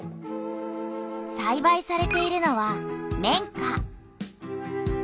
さいばいされているのは綿花。